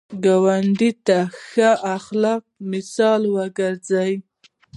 ګاونډي ته د ښه اخلاقو مثال وګرځه